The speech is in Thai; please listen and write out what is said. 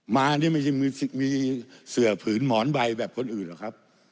มานี่ไม่ใช่มีเสือผืนหมอนใบแบบคนอื่นหรอกครับ